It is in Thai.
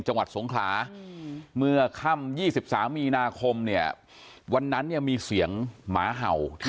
จังหวัดสงขลาเมื่อค่ำ๒๓มีนาคมเนี่ยวันนั้นเนี่ยมีเสียงหมาเห่า